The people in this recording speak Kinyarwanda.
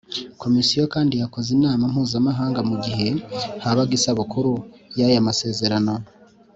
Komisiyo kandi yakoze inama mpuzamahanga mu gihe habaga isabukuru ya y amasezerano